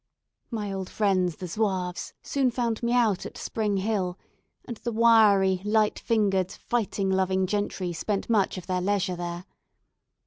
My old friends, the Zouaves, soon found me out at Spring Hill, and the wiry, light fingered, fighting loving gentry spent much of their leisure there.